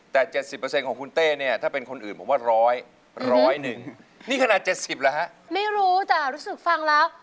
แต่๗๐ของคุณเต้เนี่ยถ้าเป็นคนอื่นผมว่าร้อยร้อยหนึ่งนี่ขนาด๗๐เหรอฮะไม่รู้จ้ะรู้สึกฟังแล้ว